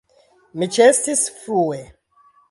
Mi ĉeestis frue.